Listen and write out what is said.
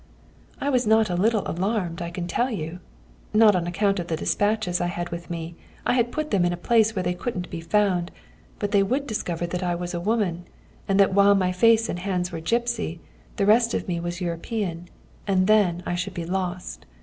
I was not a little alarmed, I can tell you. Not on account of the despatches I had with me, I had put them in a place where they couldn't be found; but they would discover that I was a woman, and that while my face and hands were gipsy, the rest of me was European and then I should be lost.